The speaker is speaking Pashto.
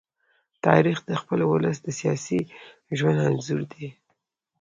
تاریخ د خپل ولس د سیاسي ژوند انځور دی.